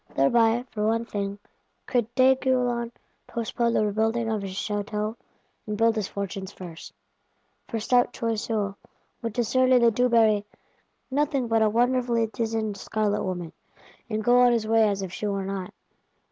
Thereby, for one thing, could D'Aiguillon postpone the rebuilding of his Château, and rebuild his fortunes first. For stout Choiseul would discern in the Dubarry nothing but a wonderfully dizened Scarlet woman; and go on his way as if she were not.